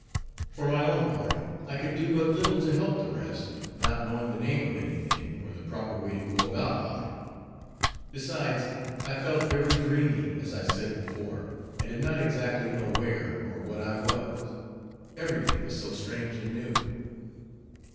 For my own part, I could do but little to help the rest, not knowing the name of any thing, or the proper way to go about aught. Besides, I felt very dreamy, as I said before; and did not exactly know where, or what I was; every thing was so strange and new.